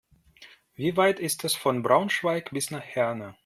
Wie weit ist es von Braunschweig bis nach Herne?